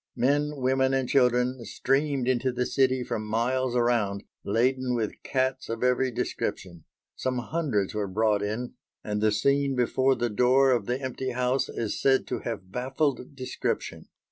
Men, women, and children streamed into the city from miles around laden with cats of every description. Some hundreds were brought in, and the scene before the door of the empty house is said to have baffled description.